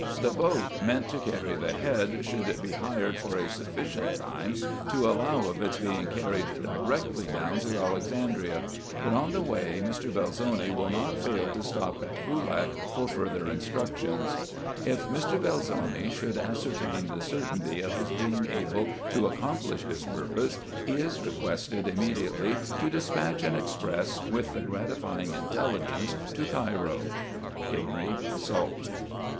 " The boat meant to carry the head should be hired for a suf ficient time to allow of its being carried directly down to Alex andria ; but, on the way, Mr. Belzoni will not fail to stop at Boolak for further instructions. " If Mr. Belzoni should ascertain the certainty of his being able to accomplish his purpose, he is requested immediately to despatch an express with the gratifying intelligence to Cairo. " Henry Salt."